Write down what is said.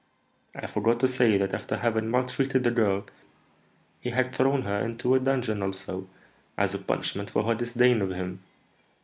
I forgot to say that, after having maltreated the girl, he had thrown her into a dungeon also, as a punishment for her disdain of him.